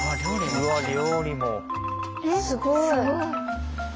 すごい。